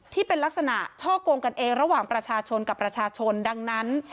ที่เป็นลักษณะช่อกงกันเองระหว่างประชาชนกับประชาชนดังนั้น